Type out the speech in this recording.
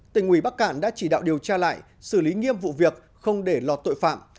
tỉnh ủy bắc cạn đã chỉ đạo điều tra lại xử lý nghiêm vụ việc không để lọt tội phạm